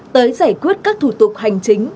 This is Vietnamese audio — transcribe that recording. tới giải quyết các thủ tục hành chính